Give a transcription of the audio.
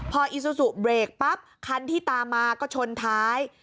พออีซูซูเบรกปั๊บคันที่ตามมาก็ชนท้าย